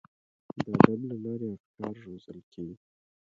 د ادب له لارې افکار روزل کیږي.